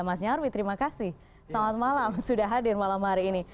mas nyarwi terima kasih selamat malam sudah hadir malam hari ini